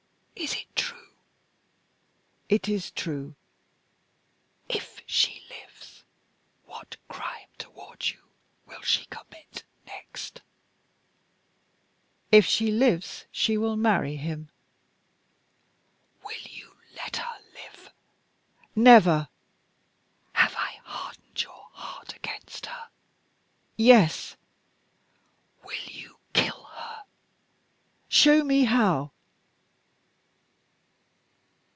Is it true?" "It is true." "If she lives, what crime toward you will she commit next?" "If she lives, she will marry him." "Will you let her live?" "Never." "Have I hardened your heart against her?" "Yes." "Will you kill her?" "Show me how."